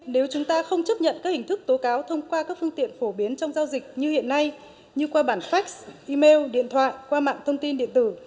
nếu chúng ta không chấp nhận các hình thức tố cáo thông qua các phương tiện phổ biến trong giao dịch như hiện nay như qua bản fax email điện thoại qua mạng thông tin điện tử